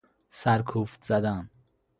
سرکوفت زدن